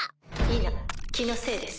否気のせいです。